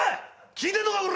聞いてんのかこら！